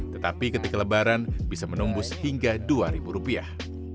tetapi ketika lebaran bisa menumbus hingga dua rupiah